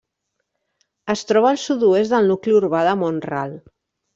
Es troba al sud-oest del nucli urbà de Mont-ral.